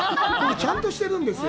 ちゃんとしてるんですよ。